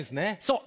そう。